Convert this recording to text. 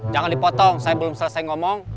jangan dipotong saya belum selesai ngomong